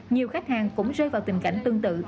nhiều khách hàng cũng rơi vào tình cảnh tương tự